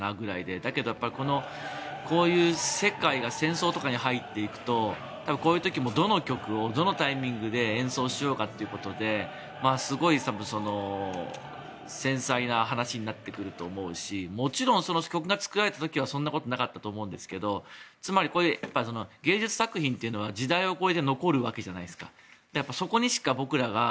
だけど、こういう世界が戦争とかに入っていくとこういう時もどの曲をどのタイミングで演奏しようかということで繊細な話になってくると思うしもちろんその曲が作られた時はそんなことなかったと思いますがつまり、芸術作品というのは時代を超えて残るわけじゃないですか。